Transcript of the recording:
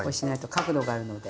角度があるので。